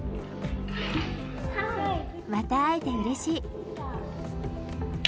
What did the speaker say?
また会えてうれしい。